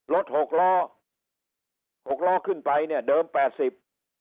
หกล้อหกล้อขึ้นไปเนี่ยเดิมแปดสิบ